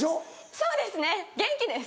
そうですね元気です。